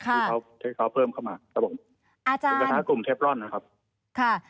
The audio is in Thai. ค่ะเขาเขาเพิ่มเข้ามาสมมุติอาจารย์กลุ่มเทฟรอนนะครับค่ะ